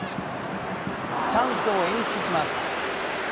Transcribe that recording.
チャンスを演出します。